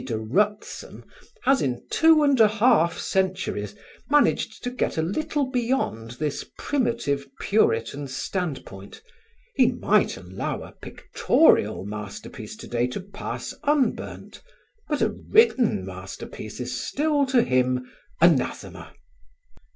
de Rutzen has in two and a half centuries managed to get a little beyond this primitive Puritan standpoint: he might allow a pictorial masterpiece to day to pass unburnt, but a written masterpiece is still to him anathema.